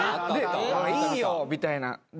で「いいよ」みたいな。